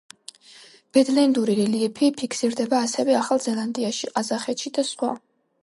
ბედლენდური რელიეფი ფიქსირდება ასევე ახალ ზელანდიაში, ყაზახეთში და სხვა.